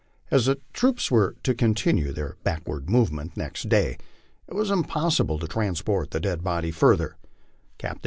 As the troops were to continue their backward movement next day, and it was impossible to transport the dead body further, Captain 113 LIFE ON THE PLAINS.